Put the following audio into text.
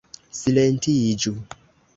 Silentiĝu!